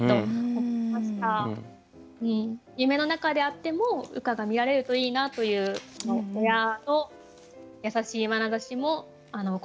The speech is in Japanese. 夢のなかであっても羽化が見られるといいなという親の優しいまなざしも込められているように思います。